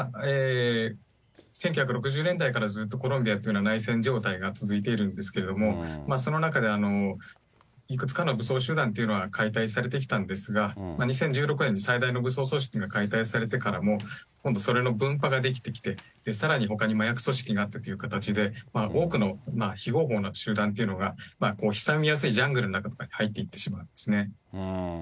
１９６０年代からずっとコロンビアというのは内戦状態が続いてるんですけれども、その中でいくつかの武装集団というのは解体されてきたんですが、２０１６年に最大の武装組織が解体されてからも、今度それの分派が出来てきて、さらにほかに麻薬組織があってっていう形で、多くの非合法の集団というのは、潜みやすいジャングルの中に入っていってしまうんですね。